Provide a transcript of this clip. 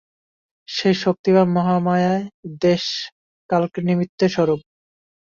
সেই শক্তি বা মহামায়াই দেশকালনিমিত্ত-স্বরূপ।